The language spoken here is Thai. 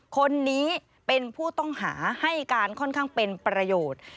คนนี้เป็นผู้ต้องหาให้การค่อนข้างเป็นประโยชน์